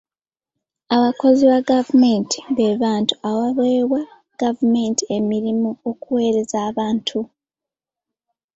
Abakozi ba gavumenti be bantu abaaweebwa gavumenti emirimu okuweereza abantu.